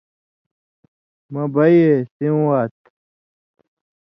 مَیں بئ اْےسېوں وات“۔